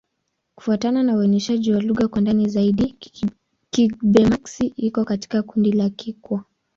Kufuatana na uainishaji wa lugha kwa ndani zaidi, Kigbe-Maxi iko katika kundi la Kikwa.